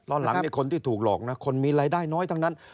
หลังคนที่ถูกหลอกนะคนมีรายได้น้อยทั้งนั้น